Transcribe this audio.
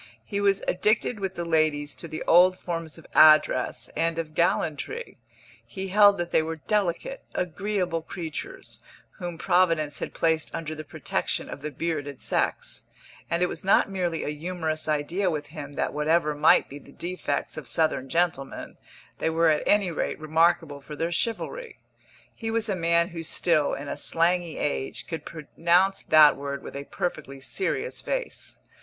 He was addicted with the ladies to the old forms of address and of gallantry; he held that they were delicate, agreeable creatures, whom Providence had placed under the protection of the bearded sex; and it was not merely a humorous idea with him that whatever might be the defects of Southern gentlemen, they were at any rate remarkable for their chivalry. He was a man who still, in a slangy age, could pronounce that word with a perfectly serious face.